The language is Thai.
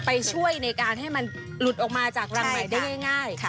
ไปช่วยในการให้มันหลุดออกมาจากรังใหม่ได้ง่าย